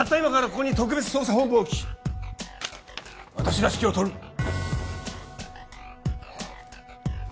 今からここに特別捜査本部を置き私が指揮を執る。